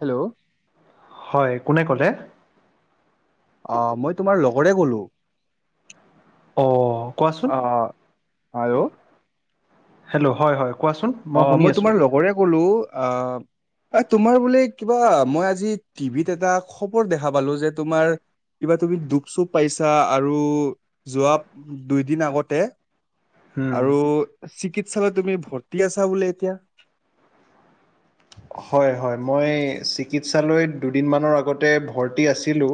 Hello হয়, কোনে ক'লে? অ' মই তোমাৰ লগৰে কলো অঁ কোৱাচোন অ'। আৰু হেল্ল' হয়, হয় কোৱাচোন? মই শুনি অ'মই আছোঁ তোমাৰ লগৰে কলো অ'। অ'তোমাৰ বোলে কিবা মই আজি টিভিত এটা খবৰ দেখা পালো যে তোমাৰ কিবা তুমি দুখ - চুখ পাইছা আৰু যোৱা দুই দিন আগতে হুম, আৰু চিকিৎসালয় তুমি ভৰ্তি আছা বোলে এতিয়া? হয়, হয় মই চিকিৎসালয়ত দুদিনমানৰ আগতে ভৰ্তি আছিলোঁ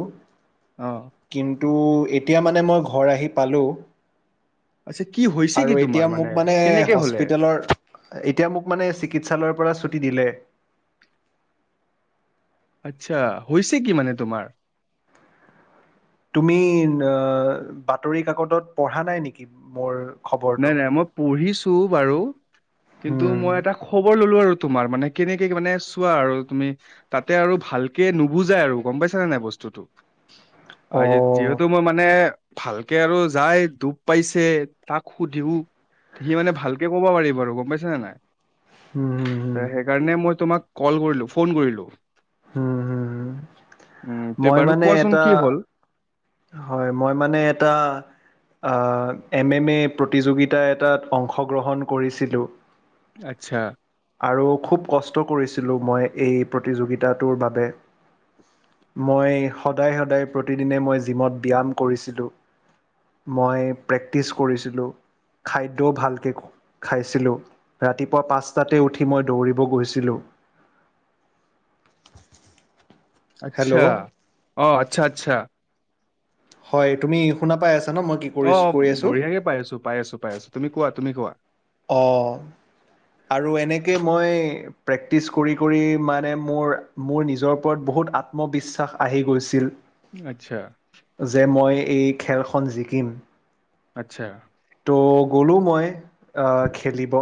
অ', কিন্তু এতিয়া মানে মই ঘৰ আহি পালোঁ যে কি হৈ আৰু এতিয়া মোক মানে হস্পিটেলৰ এতিয়া মোক মানে চিকিৎসালয়ৰ পৰা ছুটি দিলে। আচ্ছা হৈছে কি মানে তোমাৰ? তুমি অ'বাতৰি কাকতত পঢ়া নাই নেকি মোৰ খবৰটো নাই, নাই মই পঢ়িছো বাৰু কিন্তু হুম, মই এটা খবৰ ল'লো আৰু তোমাৰ মানে কেনেকে মানে চোৱা আৰু তুমি তাতে আৰু ভালকে নুবুজাই আৰু গম পাইছা নে নাই বস্তুটো? [inaudible] [unintelligible] অঁ যিহেতু মই মানে ভালকে আৰু যাই দুখ পাইছে তাক সুধিও সি মানে ভালকে ক'ব পাৰিব আৰু গম পাইছানে নাই? উম, উম, হম। তে সেইকাৰণে মই তোমাক কল কৰিলোঁ ফোন কৰলোঁ। উম, উম, তে বাৰু কোৱাচোন এটা কি হ'ল? হয় মই মানে এটা অ'এম এম এ প্ৰতিযোগিতা এটাত অংশগ্ৰহণ কৰিছিলোঁ আচ্ছা। আৰু খুব কষ্ট কৰিছিলোঁ মই এই প্ৰতিযোগিতাটোৰ বাবে। মই সদায় সদায় প্ৰতিদিনে মই জিমত ব্যায়াম কৰিছিলোঁ মই প্ৰেক্টিছ কৰিছিলোঁ খাদ্যও ভালকে খাইছিলোঁ ৰাতিপুৱা পাঁচটাতে উঠি মই দৌৰিব গৈছিলোঁ হেল্ল' আচ্ছা অ' আচ্ছা আচ্ছা হয় তুমি শুনা পাই আছা ন মই কি কৰি অ' কৰি আছোঁ বঢ়িয়াকে পাই আছো -পাই আছো -পাই আছো তুমি কোৱা তুমি কোৱা অঁ আৰু এনেকে মই প্ৰেক্টিচ কৰি কৰি মানে মোৰ মোৰ নিজৰ ওপৰত বহুত আত্মবিশ্বাস আহি গৈছিল আচ্ছা যে মই এই খেলখন জিকিম আচ্ছা ত' গ'লো মই আ খেলিব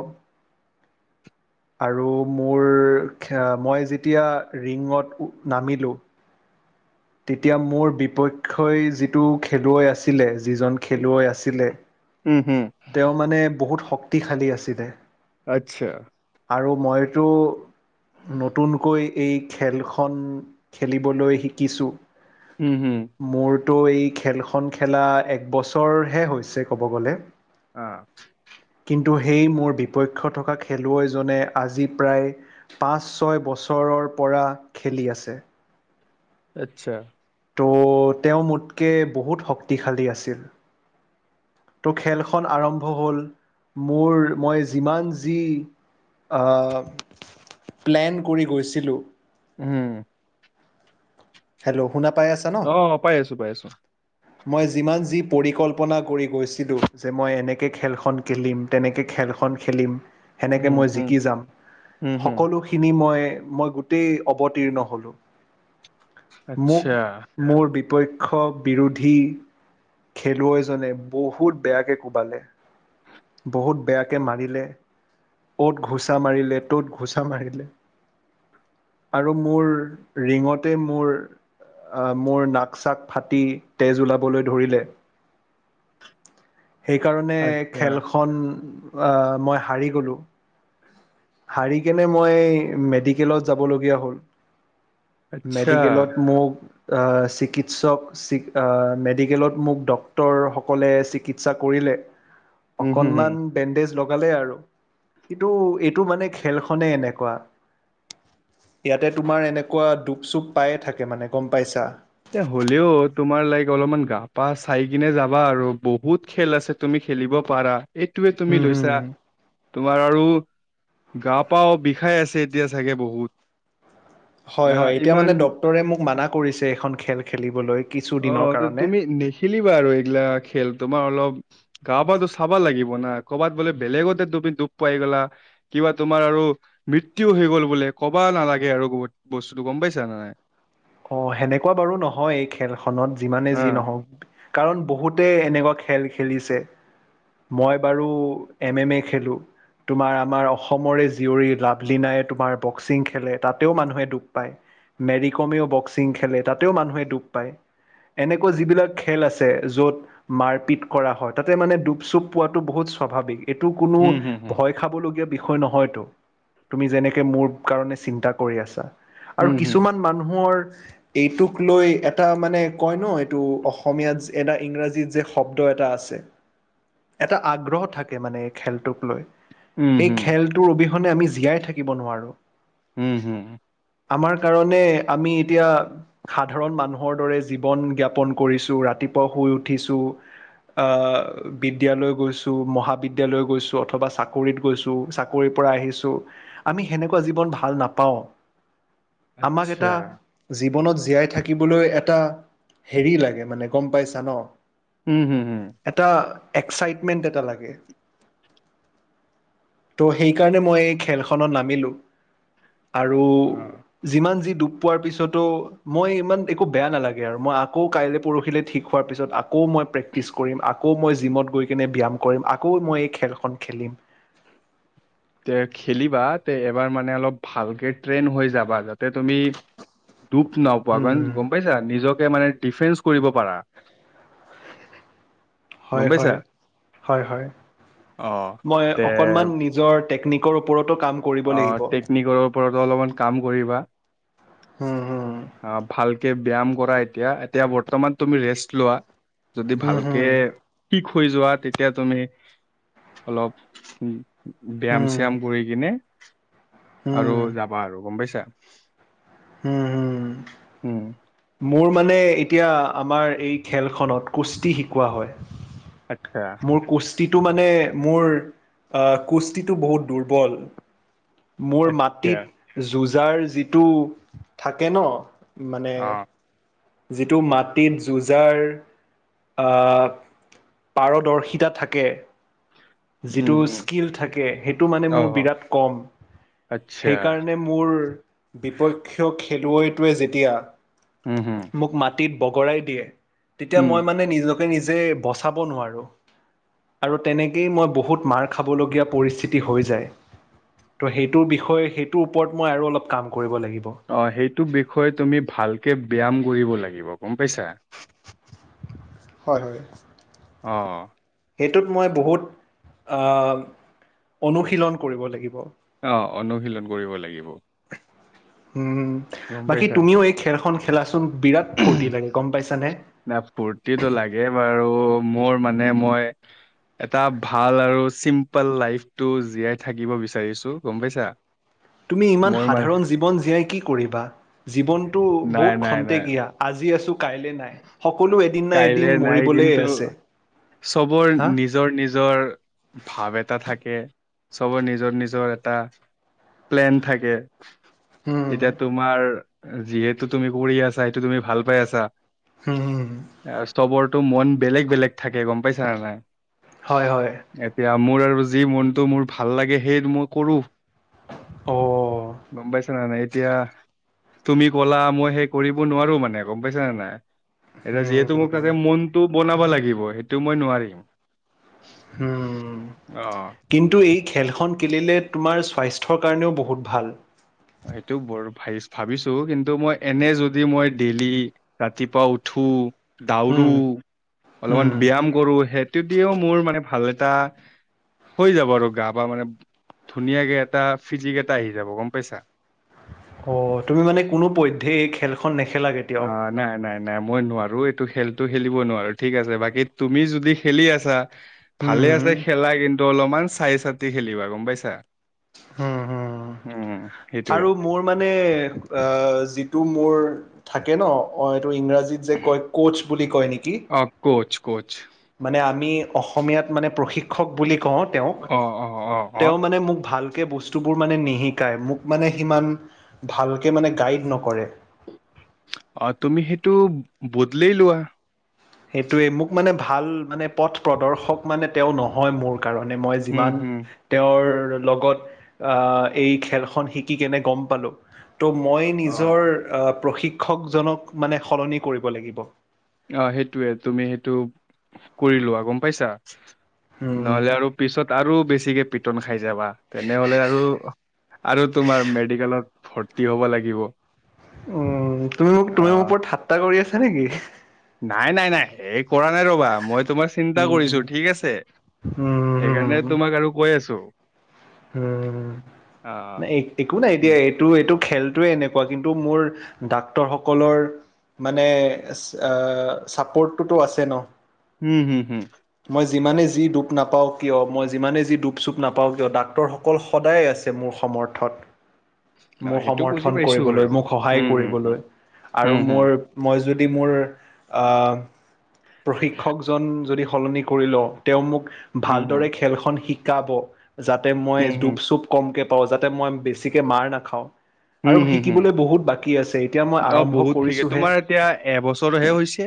আৰু মোৰ [unintelligible] মই যেতিয়া ৰিঙত নামিলোঁ তেতিয়া মোৰ বিপক্ষই যিটো খেলুৱৈ আছিলে যিজন খেলুৱৈ আছিলে উম হুম তেওঁ মানে বহুত শক্তিশালী আছিলে আচ্ছা আৰু মইতো নতুনকৈ এই খেলখন খেলিবলৈ শিকিছো উম হুম মোৰতো এই খেলখন খেলা একবছৰহে হৈছে ক'ব গ'লে অ' কিন্তু সেই মোৰ বিপক্ষ থকা খেলুৱৈজনে আজি প্ৰায় পাঁচ ছয় বছৰৰ পৰা খেলি আছে আচ্ছা ত' তেওঁ মোতকে বহুত শক্তিশালী আছিল তো খেলখন আৰম্ভ হ'ল মোৰ মই যিমান যি অ প্লেন কৰি গৈছিলোঁ উম হেল্ল' শুনা পাই আছা ন? অ' পাই আছো পাই আছো মই যিমান যি পৰিকল্পনা কৰি গৈছিলোঁ যে মই এনেকৈ খেলখন খেলিম তেনেকৈ খেলখন খেলিম সেনেকৈ উম মই হুম জিকি যাম হুম হুম সকলো খিনি মই মই গোটেই অৱতীৰ্ণ হ'লোঁ মোক আচ্ছা মোৰ বিপক্ষ বিৰোধী খেলুৱৈজনে বহুত বেয়াকে কোবালে বহুত বেয়াকৈ মাৰিলে অ'ত ঘোচা মাৰিলে ত'ত ঘোচা মাৰিলে আৰু মোৰ ৰিঙতে মোৰ আহ মোৰ নাক চাক ফাটি তেজ ওলাবলৈ ধৰিলে। সেইকাৰণে আচ্ছা খেল খন মই হাৰি গ'লো। হাৰি কেনে মই মেডিকেলত যাবলগীয়া হ'ল। আচ্ছা মেডিকেলত মোক চিকিৎসক মেডিকেলত মোক ডক্তৰসকলে চিকিৎসা কৰিলে। উম হুম হুম অকনমান বেণ্ডেজ লগালে আৰু কিন্তু এইটো মানে খেলখনে এনেকুৱা। ইয়াতে তোমাৰ এনেকুৱা দুখ- চুখ পায়ে থাকে মানে গম পাইছা। এ হ'লেও তোমাৰ লাইক অলপমান গা- পা চাই কিনে যাবা আৰু বহুত খেল আছে তুমি খেলিব পাৰা, এইটোয়ে তুমি হম হম লৈছা। তোমাৰ আৰু গা পাও বিষাই আছে এতিয়া চাগে বহুত হয় আহ হয় এতিয়া মানে ইমান ডক্টৰে মোক মানা কৰিছে এখন খেল খেলিবলৈ। কিছু অ দিনৰ কাৰণে তুমি নেখেলিবা আৰু এইগিলা খেল তোমাৰ অলপ গা -পাতো চাবা লাগিব না কৰ'ৰবাত বোলে বেলেগতে তুমি ডুপ পাই গলা। কিবা তোমাৰ আৰু মৃ্ত্যু হৈ গল বোলে ক'বা নালাগে আৰু বহুত বস্তুতটো গম পাইছা ন নাই। অ সেনেকুৱা বাৰু নহয় এই খেলখনত যিমানে অ যি নহওক। কাৰণ বহুতে এনেকুৱা খেল খেলিছে। মই বাৰু এম এম এ খেলোঁ। তোমাৰ আমাৰ অসমৰে জীয়ৰী লাভলীনাই তোমাৰ বক্সিং খেলে তাতেও মানুহে দুখ পায়। মেৰী কমেও বক্সিং খেলে তাতেও মানুহে দুখ পায়। এনেকুৱা যিবিলাক খেল আছে য'ত মাৰপিট কৰা হয় তাতে মানে ডুপ- চুপ পোৱাটো বহুত স্বাভাৱিক। এইটো কোনো হুম হুম হুম ভয় খাবলগীয়া বিষয় নহয়তো, তুমি যেনেকে মোৰ কাৰণে চিন্তা কৰি আছা। আৰু উম হুম কিছুমান মানুহৰ এইটোক লৈ এটা মানে কয় ন এইটো অসমীয়াত এটা ইংৰাজীত যে শব্দ এটা আছে। এটা আগ্ৰহ থাকে মানে এই খেলটোক লৈ। উম এই হুম খেলটোৰ অবিহনে আমি জীয়াই থাকিব নোৱাৰো। উম হুম। আমাৰ কাৰণে আমি এতিয়া সাধাৰণ মানুহৰ দৰে জীৱন জ্ঞাপন কৰিছো ৰাতিপুৱা শুই উঠিছো। বিদ্যালয় গৈছোঁ, মহাবিদ্যালয় গৈছোঁ অথবা চাকৰিত গৈছোঁ চা কৰি পৰা আহিছোঁ আমি সেনেকুৱা জীৱন ভাল নাপাওঁ। আমাক আচ্ছা এটা জীৱনত জীয়াই থাকিবলৈ এটা হেৰি লাগে মানে গম পাইছা ন উম হুম হুম। এটা এক্সাইটমেণ্ট এটা লাগে। ত' সেইকাৰণে মই এই খেলখনত নামিলো আৰু অ যিমান যি ডুপ পোৱাৰ পিছতো মই ইমান একো বেয়া নালাগে আৰু মই আকৌ কাইলৈ পৰহিলৈ ঠিক হোৱাৰ পিছত আকো আকৌ মই প্ৰেক্টিচ কৰিম, আকৌ মই জিমত গৈ কিনে ব্যায়াম কৰিম, আকৌ মই এই খেলখন খেলিম। তে খেলিবা তে এবাৰ মানে অলপ ভালকে ট্ৰেইন হৈ যাবা যাতে তুমি দুপ নাপোৱা উম গম পাইছা নিজকে মানে ডিফেন্চ কৰিব পাৰা। গম হয় পাইছা হয় হয় হয়, অ মই তে অকনমান নিজৰ টেকনিক ওপৰতো কাম কৰিব অ লাগিব টেকনিকৰ ওপৰতো অলপমান কাম কৰিবা। হুম হুম অ ভালকে ব্যায়াম কৰা এতিয়া, এতিয়া বৰ্তমান তুমি ৰেষ্ট লোৱা। যদি হুম হুম ভালকে ঠিক হৈ যোৱা তেতিয়া তুমি অলপ উ ব্যায়াম হুম চ্যাম কৰি কিনে আৰু হুম যাবা আৰু গম পাইছা। হুম হুম। উম। মোৰ মানে এতিয়া আমাৰ এই খেলখনত কুস্তি শিকোৱা হয়। আচ্ছা। মোৰ কুস্তিটো মানে মোৰ আ কুস্তিটো বহুত দুৰ্বল। মোৰ আচ্ছা মাটিত যুোঁজাৰ যিটো থাকে ন মানে অ যিটো মাটিট যুজাঁৰ আ পাৰদৰ্শিতা থাকে। যিটো উম উম স্কিল থাকে সেইটো মানে অ মোৰ বিৰাট কম, আচ্ছা সেইকাৰণে মোৰ বিপক্ষ খেলুৱৈটোৱে যেতিয়া হুম হু। মোক মাটিট বগৰাই দিয়ে, তেতিয়া উম মই মানে নিজক তে নিজে বচাব নোৱাৰোঁ আৰু তেনে কেই মই বহুত মাৰ খাবলগীয়া পৰিস্থিতি হৈ যায়। ত সেইটোৰ বিষয়ে সেইটোৰ ওপৰত মই আৰু অলপ কাম কৰিব লাগিব। অ সেইটো বিষয়ে তুমি ভালকে ব্যয়ায়াম কৰিব লাগিব গম পাইছা। হয় হয়। অ। সেইটোত মই বহুত আ অনুশীলন কৰিব লাগিব। অ অনুশীলন কৰিব লাগিব। উম, গম বাকী পাইছা এই খেলখন খেলাচোন বিৰাট ফূৰ্তি লাগে গম পাইছানে। না ফুৰ্তিটো লাগে বাৰু, মোৰ মানে মই এটা ভাল আৰু চিম্পল লাইফটো জীয়াই থাকিব বিচাৰিছো গম পাইছা। তুমি ইমান মোৰ মানে সাধাৰণ জীৱন জীয়াই কি কৰিবা, জীৱনটো নাই বহুত নাই নাই খন্তেকীয়া। আজি আছো কাইলৈ নাই, সকলো এ কাইলে নাই কিন্তু চবৰ নিজ হা। নিজৰ নিজৰ ভাৱ এটা থাকে, চবৰ নিজৰ নিজৰ এটা প্লেন থাকে। উম। এতিয়া তোমাৰ যিহেতু তুমি কৰি আছা সেইটো তুমি ভাল পাই আছা। হুম হু। ছবৰতো মন বেলেগ বেলেগ থাকে গম পাইছা নে নাই? হয় হয়। এতিয়া মোৰ আৰু যি মনটো মোৰ ভাল লাগে সেই মই কৰো। অঁ। গম পাইছানাই এতিয়া তুমি কলা মই সেই কৰিব নোৱাৰো মানে গম পাইছা নে নাই। এতিয়া যিহেতু মোক উম। তাতে মনটো বনাব লাগিব, সেইটো মই নোৱাৰিম। হুম। অ' কিন্তু এই খেল খন খেলিলে তোমাৰ স্বাস্থ্যৰ কাৰণেও বহুত ভাল। সেইটো বৰ ভাব ভাবিছো কিন্তু মই এনে যদি মই ডেইলি ৰাতিপুৱা উঠো দউৰো উম, উম, অলপমান ব্যায়াম কৰো, সেইটো দিও মোৰ মানে ভাল এটা হৈ যাব আৰু গা পা মানে ধুনীয়াকে এটা ফিজিক এটা আহি যাব গম পাইছা। অ তুমি মানে কোনোপধ্যয় এই খেলখন নেখেলা কেতিয়াও। অ' নাই নাই নাই মই নোৱাৰো এইটো খেলতটো খেলিব নোৱাৰো ঠিক আছে, বাকী তুমি যদি খেলি আছা ভালে আছে হুম, খেলা কিন্তু অলপমান চাই চাতি খেলিবা গম পাইছা। হুম হুম। উ'ম। সেইটোৱে। আৰু মোৰ মানে অ যিটো মোৰ থাকে ন অ এইটো ইংৰাজীত যে কয় কৌচ বুলি কয় নেকি। কৌছ কৌছ। মানে আমি অসমীয়াত মানে প্ৰশিক্ষক বুলি কওঁ তেওঁক অ', অ', অ', অ', তেওঁ মোক মানে ভাল সেই বস্তুবোৰ মানে নিশিকায় মোক মানে সিমান ভালকে মানে গাইড নকৰে। অ' তুমি সেইটো বদলেই লোৱা। সেইটোৱে মোক মানে ভাল মানে পথ প্ৰদৰ্শক মানে তেওঁ নহয় মোৰ। কাৰণে মই হুম, যিমান হুম। তেওঁৰ লগত আহ এই খেলখন শিকি কেনে গম পালোঁ। ত' মই নিজৰ প্ৰশিক্ষকজনক মানে সলনি কৰিব লাগিব। অ সেইটোয়ে তুমি সেইটো কৰি লোৱা গম পাইছা। উম নহলে আৰু পিছত আৰু বেছিকে পিঠ পিতন খাই যাবা তেনেহলে আৰু আৰু তোমাৰ মেডিকেলত ভৰ্তি হ'ব লাগিব। উ তুমি মোক তুমি মোৰ অ', ওপৰত ঠাট্টাা কৰি আছা নেকি [inaudible] নাই নাই নাই সেই কৰা নাই ৰ'বা মই তোমাক চিন্তা উম কৰিছো ঠিক আছে। সেইকাৰণে উম তোমাক আৰু কৈ আছো। উম ন অ', এক একো নাই এতিয়া এইটো এইটো খেলটোৱে এনেকুৱা কিন্তু মোৰ ডাক্তৰ সকলৰ মানে ছাপৰ্টটোতো আছে ন। হুম হুম হুম মই যিমানে যি দুখ নাপাওঁ কিয় মই যিমানে যি দুপ চুপ নাপাওঁ কিয় ডাক ডকক্তৰসকল সদায় আছে মোৰ সমৰ্থত। অ', মোৰ সেইটো বুজি সমৰ্থন পাইছোঁ কৰিবলৈ বাৰু। মোক সহায় হুম, হুম, হুম, কৰিবলৈ আৰু হুম, হুম, মোৰ মই যদি মোৰ প্ৰশিক্ষকজন যদি সলনি কৰি লওঁ। তেওঁ মোক হুম, হুম। ভালদৰে খেলখন শিকাব। তাতে মই উম, হুম, ডোপ চুপ কমকে পাওঁ যাতে মই বেছিকে মাৰ নাখাওঁ। হুম, আৰু হুম, হুম, শিকিবলৈ বহুত বাকী আছে এতিয়া মই অ', আৰম্ভ বহুত ক্ৰিকেট কৰিছোহে। তোমাৰ এতিয়া এবছৰহে হৈছে।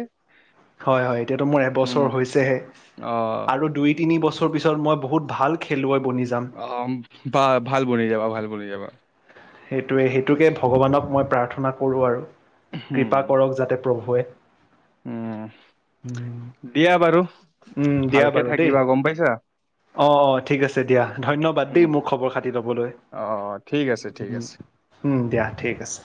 হয় হয় এতিয়াতটো মোৰ উম এবছৰ হৈছেহে অ', আৰু দুই তিনি বছৰ পিছত মই বহুত ভাল খেলুৱৈ বনি যাম। অ বা ভাল বনি যাবা ভাল বনি যাবা। সেইটোৱে সেইটোকে ভগৱানক মই প্ৰাৰ্থনা কৰো আৰু উম। কৃপা কৰক যাতে প্ৰভুৱে। উম দিয়া বাৰু ভালকে থাকিবা গম পাইছা। অঁ অঁ ঠিক আছে দিয়া ধন্যবাদ দেই মোক খবৰ খাতি ল'বলৈ। অঁঁ ঠিক আছে ঠিক উম আছে। উম দিয়া ঠিক আছে।